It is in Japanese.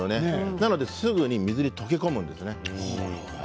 だからすぐに水に溶け込むんです。